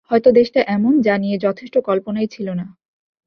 হয়তো দেশটা এমন, যা নিয়ে যথেষ্ট কল্পনাই ছিল না।